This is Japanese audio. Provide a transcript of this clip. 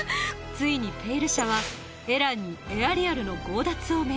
ついに「ペイル社」はエランにエアリアルの強奪を命じます